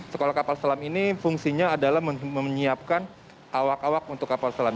sekolah kapal selam ini fungsinya adalah menyiapkan awak awak untuk kapal selam